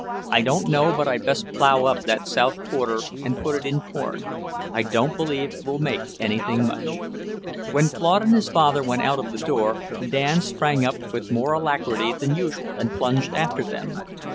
I don't know but I'd best plough up that south quarter and put it in corn. I don't believe it will make anything much." When Claude and his father went out of the door, Dan sprang up with more alacrity than usual and plunged after them.